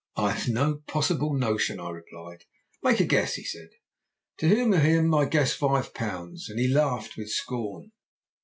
"'I have no possible notion,' I replied. "'Make a guess,' he said. "To humour him I guessed five pounds. He laughed with scorn.